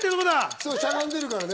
そう、しゃがんでるからね。